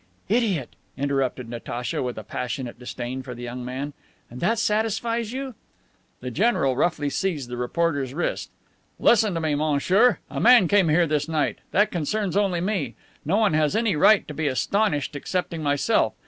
"Idiot!" interrupted Natacha, with a passionate disdain for the young man. "And that satisfies you?" The general roughly seized the reporter's wrist: "Listen to me, monsieur. A man came here this night. That concerns only me. No one has any right to be astonished excepting myself.